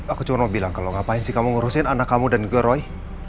aku cuma mau bilang kalau ngapain sih kamu ngurusin anak kamu dan juga roy